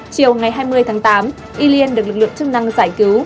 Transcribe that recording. chiều ngày hai mươi tháng tám y liên được lực lượng chức năng giải cứu